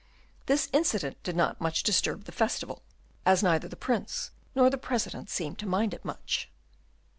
This incident did not much disturb the festival, as neither the Prince nor the President seemed to mind it much.